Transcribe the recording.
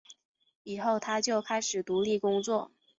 以后他就开始独立工作。